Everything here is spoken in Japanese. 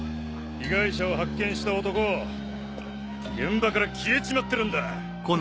被害者を発見した男現場から消えちまってるんだ。